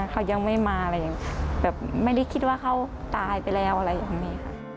เขายังไม่มาเลยไม่ได้คิดว่าเขาตายไปแล้วอะไรอย่างนี้